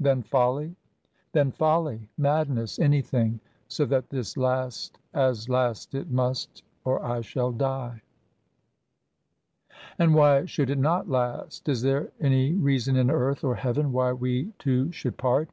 "Then folly?" "Then folly, madness, anything so that this last, as last it must, or I shall die!" "And why should it not last? Is there any reason, in earth or Heaven, why we two should part?